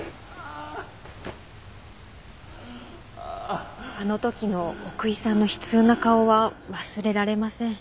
あの時の奥居さんの悲痛な顔は忘れられません。